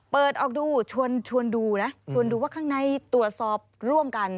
เปิดออกดูชวนดูนะชวนดูว่าข้างในตรวจสอบร่วมกัน